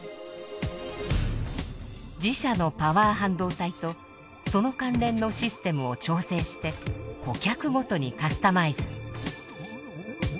自社のパワー半導体とその関連のシステムを調整して顧客ごとにカスタマイズ。